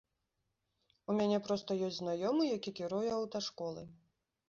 У мяне проста ёсць знаёмы, які кіруе аўташколай.